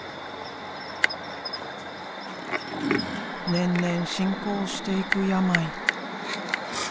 年々進行していく病。